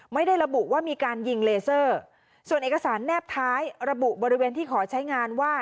ไม่ได้ระบุว่ามีการยิงเลเซอร์ส่วนเอกสารแนบท้ายระบุบริเวณที่ขอใช้งานว่า